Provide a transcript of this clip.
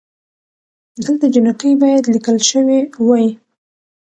دلته جینکۍ بايد ليکل شوې وئ